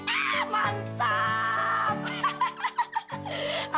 ah mantap hahaha